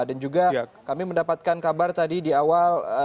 dan juga kami mendapatkan kabar tadi di awal